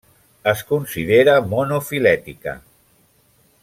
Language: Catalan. Es considera monofilètica.